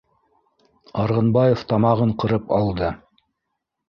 Арғынбаев тамағын ҡырып алды: